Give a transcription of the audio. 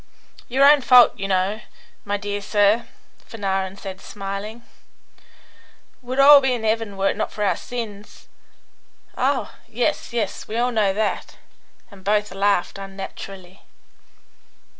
"Your own fault, you know, my dear sir," Fanarin said, smiling. "We'd all be in 'eaven were it not for hour sins." "Oh, yes, yes; we all know that," and both laughed un naturally.